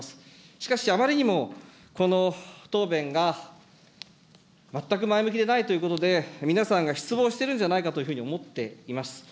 しかしあまりにもこの答弁が全く前向きでないということで、皆さんが失望しているんじゃないかというふうに思っています。